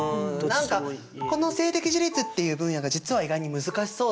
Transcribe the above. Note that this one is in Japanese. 何かこの性的自立っていう分野が実は意外に難しそうだよね。